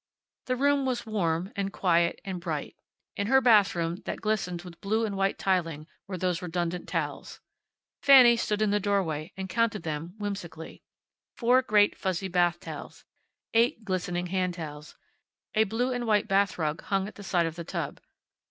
The room was warm, and quiet, and bright. In her bathroom, that glistened with blue and white tiling, were those redundant towels. Fanny stood in the doorway and counted them, whimsically. Four great fuzzy bath towels. Eight glistening hand towels. A blue and white bath rug hung at the side of the tub.